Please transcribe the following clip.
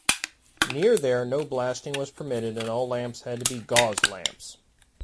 Near there no blasting was permitted and all lamps had to be "gauze lamps".